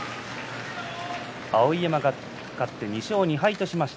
碧山が勝って２勝２敗としました。